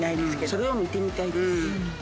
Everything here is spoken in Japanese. それを見てみたいです。